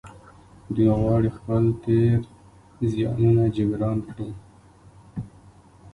دوی غواړي خپل تېر زيانونه جبران کړي.